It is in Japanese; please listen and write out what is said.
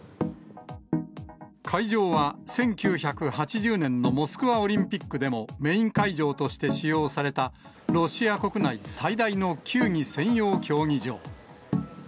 会場は１９８０年のモスクワオリンピックでも、メイン会場として使用された、ロシア国内最大の球技専用競技場。